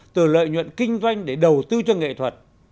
từ lợi nhuận kinh doanh để đầu tư cho nghệ thuật